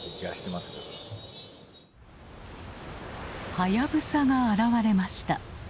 ハヤブサが現れました。